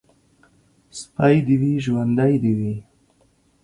سپى دي وي ، ژوندى دي وي.